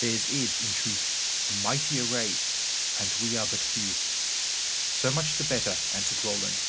Theirs is, in truth, a mighty array, and we are but few." "So much the better," answered Roland.